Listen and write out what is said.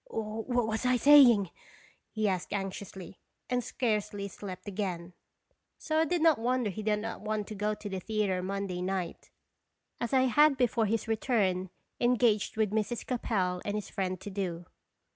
"What was I saying?" he asked anxiously, and scarcely slept again. So I did not wonder he did not want to go to the theatre Monday night, as I had before his return engaged with Mrs. Capel and his friend to do.